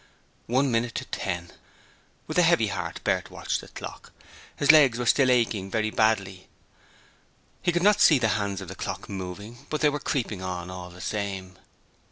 One minute to ten. With a heavy heart Bert watched the clock. His legs were still aching very badly. He could not see the hands of the clock moving, but they were creeping on all the same.